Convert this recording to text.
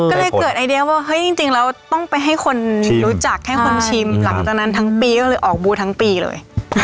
ก็เลยเกิดไอเดียว่าเฮ้ยจริงแล้วต้องไปให้คนรู้จักให้คนชิมหลังจากนั้นทั้งปีก็เลยออกบูธทั้งปีเลย